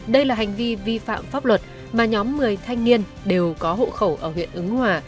đây là hành vi vi phạm pháp luật mà nhóm một mươi thanh niên đều có hộ khẩu ở huyện ứng hòa